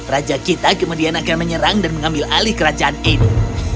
raja kita kemudian akan menyerang dan mengambil alih kerajaan ini